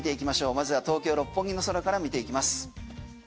まずは東京・六本木の空から見ていきます。